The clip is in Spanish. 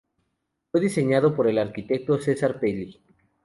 Fue diseñado por el arquitecto Cesar Pelli.